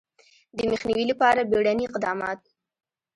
د مخنیوي لپاره بیړني اقدامات